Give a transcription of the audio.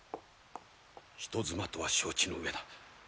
人妻とは承知の上だ。